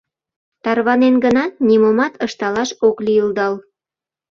Тарванен гынат, нимомат ышталаш ок лийылдал.